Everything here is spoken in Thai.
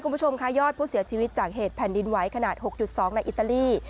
คุณผู้ชมค่ะยอดผู้เสียชีวิตจากเหตุแผ่นดินไหวขนาด๖๒ในอิตาลี